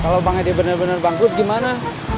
kalau bang edi benar benar bangkrut gimana